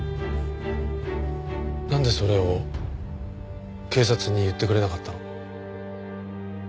なんでそれを警察に言ってくれなかったの？